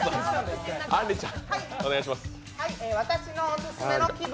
私のオススメの気分